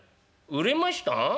売れました？